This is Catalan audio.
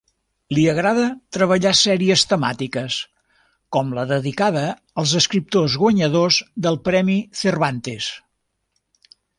Li agrada treballar sèries temàtiques, com la dedicada als escriptors guanyadors del Premi Cervantes.